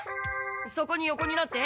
そこに横になって。